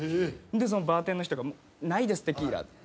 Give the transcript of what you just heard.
でそのバーテンの人が「ないですテキーラ」